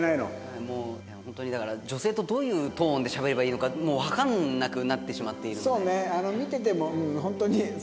ホントにだから女性とどういうトーンでしゃべればいいのかもうわかんなくなってしまっているので。